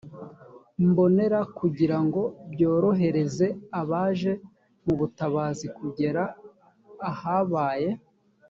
mbonera kugira ngo byorohereze abaje mu butabazi kugera ahabaye